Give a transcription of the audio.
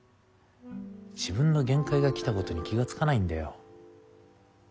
自分の限界が来たことに気が付かないんだよ。